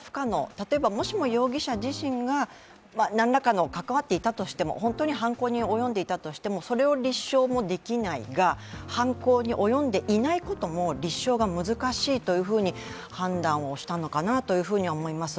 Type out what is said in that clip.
例えば、もしも容疑者自身が何らかの関わっていたとしても本当に犯行に及んでいたとしても、それを立証もできないが犯行に及んでいないことも立証が難しいと判断をしたのかなとは思います。